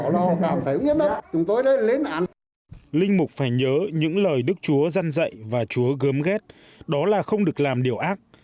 linh mục phải nhớ những lời đức chúa dân dạy và chúa gớm ghét đó là không được làm điều ác